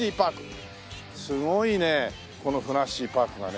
すごいねこのふなっしーパークがね